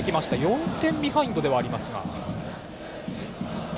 ４点ビハインドではありますが。